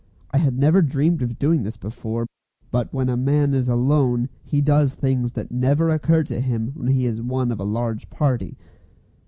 I had never dreamed of doing this before, but when a man is alone he does things that never occur to him when he is one of a large party.